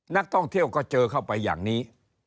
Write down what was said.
นักท่องเที่ยวก็เจอเข้าไปอย่างนี้